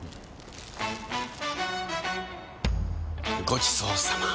ごちそうさま！